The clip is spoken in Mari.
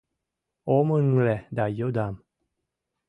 — Ом ыҥле да йодам.